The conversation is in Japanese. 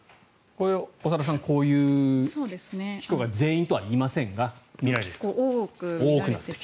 長田さん、こういう人が全員とは言いませんが多くなっている。